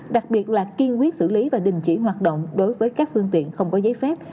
đặc biệt là kiên quyết xử lý và đình chỉ hoạt động đối với các phương tiện không có giấy phép